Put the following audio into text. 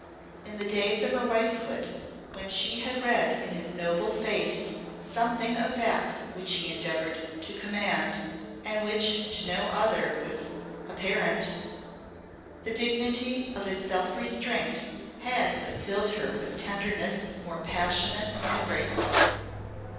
In the days of her wifehood when she had read in his noble face something of that which he endeavoured to command and which to no other was apparent, the dignity of his self restraint had but filled her with tenderness more passionate and grateful.